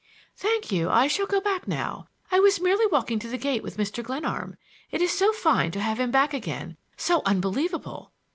"Thank you; I shall go back now. I was merely walking to the gate with Mr. Glenarm. It is so fine to have him back again, so unbelievable!"